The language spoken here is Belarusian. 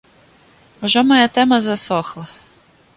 Ужо мая тэма засохла.